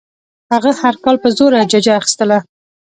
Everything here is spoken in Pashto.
هغه هر کال په زوره ججه اخیستله.